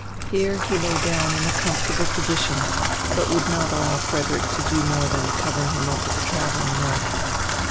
Here he lay down in a comfortable position, but would not allow Frederick to do more than cover him up with a traveling rug.